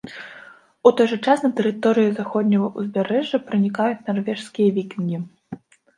У той жа час на тэрыторыю заходняга ўзбярэжжа пранікаюць нарвежскія вікінгі.